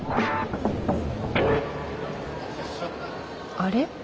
あれ？